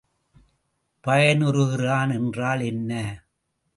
பயனுறுதிறன் என்றால் என்ன?